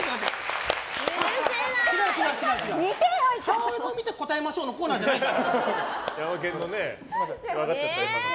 顔を見て答えましょうのコーナーじゃないの。